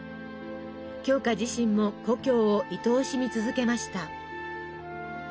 鏡花自身も故郷をいとおしみ続けました。